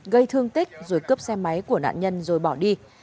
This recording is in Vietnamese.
gây thương tích rồi cướp xe máy của nạn nhân rồi bỏ đi